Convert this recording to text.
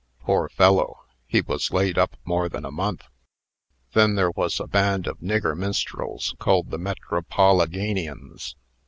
Poor fellow! he was laid up more than a month. Then there was a band of nigger minstrels, called the 'Metropoliganians.'